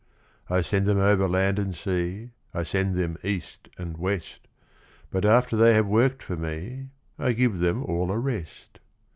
I send them over land and sea, I send them east and west; But after they have worked for me, I give them all a rest.